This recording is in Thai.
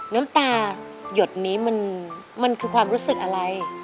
น้ำตายดนี้มันคือความรู้สึกอะไร